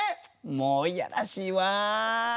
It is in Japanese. もう嫌らしいわ。